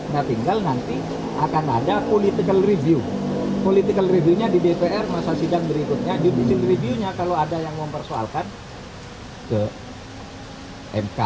nah tinggal nanti akan ada political review political review nya di dpr masa sidang berikutnya judicial review nya kalau ada yang mempersoalkan ke mk